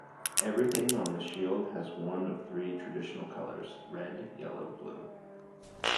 Everything on the shield has one of the three traditional colours: red, yellow, blue.